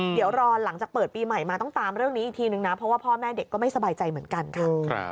เดี๋ยวรอหลังจากเปิดปีใหม่มาต้องตามเรื่องนี้อีกทีนึงนะเพราะว่าพ่อแม่เด็กก็ไม่สบายใจเหมือนกันค่ะ